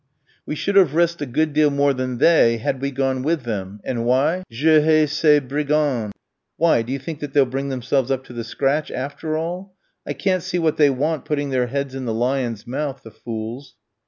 "We should have risked a good deal more than they had we gone with them; and why? Je hais ces brigands. Why, do you think that they'll bring themselves up to the scratch after all? I can't see what they want putting their heads in the lion's mouth, the fools."